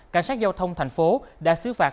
cảnh sát giao thông thành phố đã xứ phạt